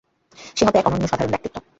সে হবে এক অনন্য সাধারণ ব্যক্তিত্ব।